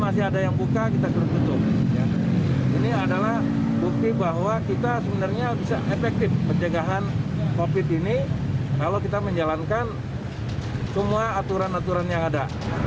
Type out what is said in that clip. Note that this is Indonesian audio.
sudah bawa motornya bawa